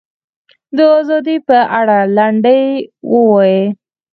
د ازادۍ په اړه لنډۍ ووایي.